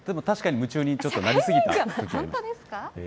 確かに夢中にちょっとなりすぎたことが。